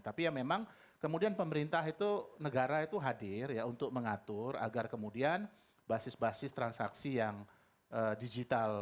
tapi ya memang kemudian pemerintah itu negara itu hadir ya untuk mengatur agar kemudian basis basis transaksi yang digital